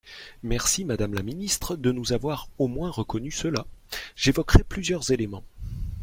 Merci, madame la ministre, de nous avoir au moins reconnu cela ! J’évoquerai plusieurs éléments.